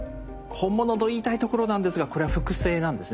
本物と言いたいところなんですがこれは複製なんですね。